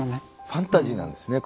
ファンタジーなんですね。